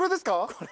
これ。